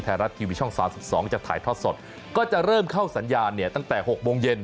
ไทยรัฐทีวีช่อง๓๒จะถ่ายทอดสดก็จะเริ่มเข้าสัญญาณเนี่ยตั้งแต่๖โมงเย็น